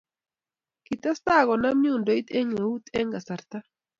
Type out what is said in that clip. Kitestai konam nyundoit eng eut eng kasarta